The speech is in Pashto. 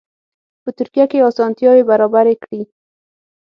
په ترکیه کې اسانتیاوې برابرې کړي.